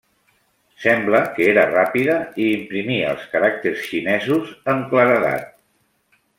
Sembla que era ràpida i imprimia els caràcters xinesos amb claredat.